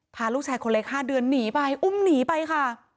พาลูกชายคนเล็ก๕เดือนหนีไปอุ้มหนีไปค่ะ